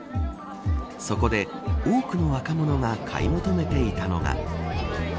そこで多くの若者が買い求めていたのが。